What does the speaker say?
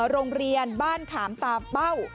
โรงเรียนบ้านขามตามเป้า